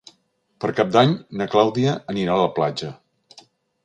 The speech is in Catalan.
Per Cap d'Any na Clàudia anirà a la platja.